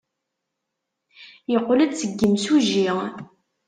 Yeqqel-d seg yimsujji.